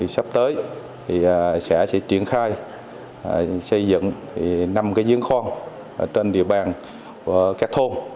sắp tới xã sẽ triển khai xây dựng năm dưỡng kho trên địa bàn của các thôn